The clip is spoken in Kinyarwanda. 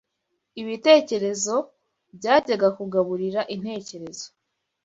ibitekerezo byajyaga kugaburira intekerezo